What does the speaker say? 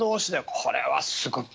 これはすごい。